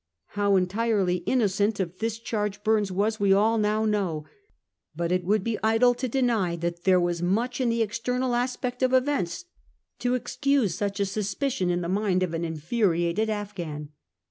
How entirely innocent of this charge Burnes was we all now know; but it would be idle to deny that there was much in the external aspect of events to excuse such a suspicion in the mind of an infuriated Afghan.